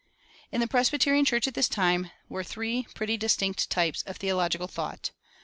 In the Presbyterian Church at this time were three pretty distinct types of theological thought.